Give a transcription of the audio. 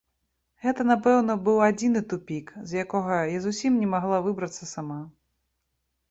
Гэта, напэўна, быў адзіны тупік, з якога я зусім не магла выбрацца сама.